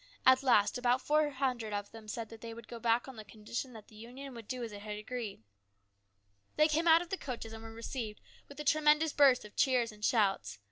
At last about four hundred of them said they would go back on the condition that the Union would do as it agreed. They came out of the coaches and were received with a tremendous burst of cheers and shouts.